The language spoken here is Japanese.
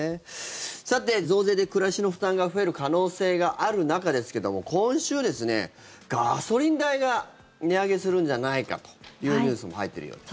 さて、増税で暮らしの負担が増える可能性がある中ですけども今週、ガソリン代が値上げするんじゃないかというニュースも入っているようです。